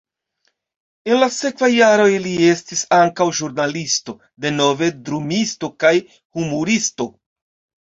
En la sekvaj jaroj li estis ankaŭ ĵurnalisto, denove drumisto kaj humuristo.